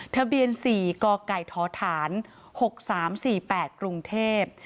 ทะเบียน๔กไก่ทฐาน๖๓๔๘กรุงเทพฯ